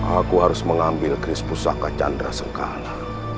aku harus mengambil chris pusaka chandra sengkala